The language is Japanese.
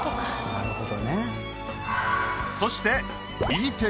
なるほど。